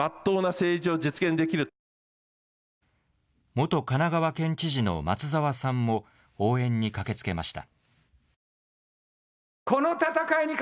元神奈川県知事の松沢さんも、応援に駆けつけました。